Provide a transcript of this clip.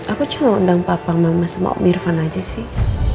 aku cuma undang papa mama sama om irvan aja sih